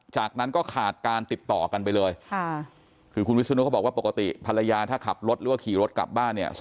จากนั้นก็ขาดการติดต่อกันไปเลยคือคุณวิศนุเขาบอกว่าปกติภรรยาถ้าขับรถหรือว่าขี่รถกลับบ้านเนี่ย